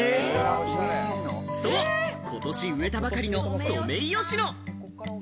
ことし植えたばかりのソメイヨシノ。